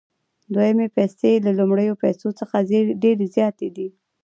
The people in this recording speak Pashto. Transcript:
دویمې پیسې له لومړیو پیسو څخه ډېرې زیاتې دي